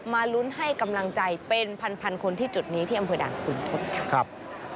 มาลุ้นให้กำลังใจเป็น๑๐๐๐คนจุดนี้ที่อำเภดด่านคุณทศครับ